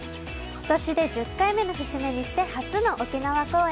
今年で１０回目の節目にして初の沖縄公演。